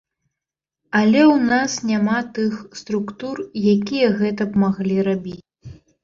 Але ў нас няма тых структур, якія гэта б маглі рабіць.